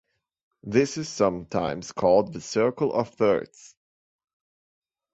This is sometimes called the "circle of thirds".